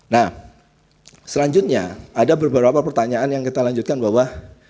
nah selanjutnya ada beberapa pertanyaan yang kita lanjutkan bahwa